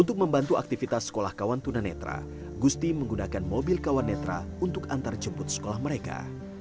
untuk membantu aktivitas sekolah kawan tunanetra gusti menggunakan mobil kawan netra untuk antarjemput sekolah mereka